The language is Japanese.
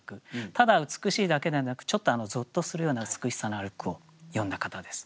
ただ美しいだけではなくちょっとぞっとするような美しさのある句を詠んだ方です。